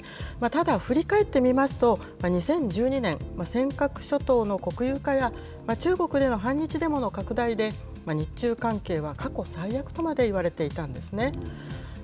ただ、振り返ってみますと、２０１２年、尖閣諸島の国有化や、中国での反日デモの拡大で、日中関係は過去最悪とまでいわれていたんですね。